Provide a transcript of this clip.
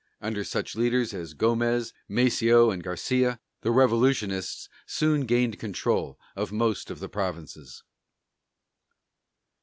Under such leaders as Gomez, Maceo, and Garcia, the revolutionists soon gained control of most of the provinces.